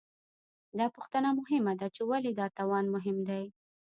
دا پوښتنه مهمه ده، چې ولې دا توان مهم دی؟